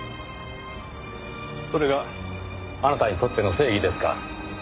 それがあなたにとっての正義ですか。